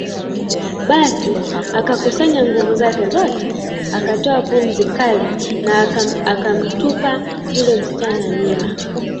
Basi akakusanya nguvu zake zote, akatoa pumzi kali na akamtupa yule msichana nyuma